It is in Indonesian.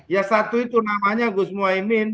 ya satu itu namanya gus mohaimin